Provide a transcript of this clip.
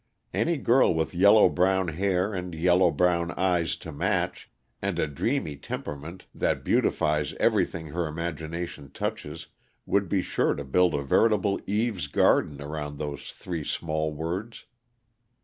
Any girl with yellow brown hair and yellow brown eyes to match, and a dreamy temperament that beautifies everything her imagination touches, would be sure to build a veritable Eve's garden around those three small words.